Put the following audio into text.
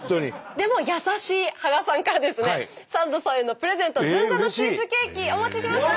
でも優しい芳賀さんからですねサンドさんへのプレゼントずんだのチーズケーキお持ちしました。